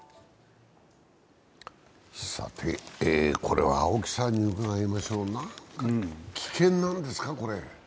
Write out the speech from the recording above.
さて、これは青木さんに伺いましょう、危険なんですか？